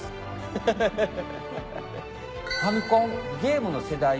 ハハハハハ。